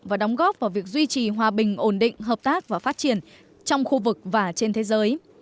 và đóng góp vào việc duy trì hòa bình ổn định hợp tác và phát triển trong khu vực và trên thế giới